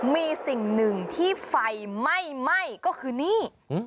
มีสิ่งหนึ่งที่ไฟไหม้ไหม้ก็คือนี่